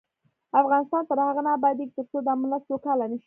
افغانستان تر هغو نه ابادیږي، ترڅو دا ملت سوکاله نشي.